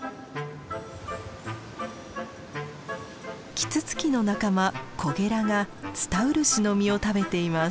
キツツキの仲間コゲラがツタウルシの実を食べています。